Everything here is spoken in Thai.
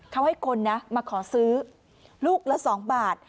เขาให้คนนะมาขอซื้อลูกละ๒บาท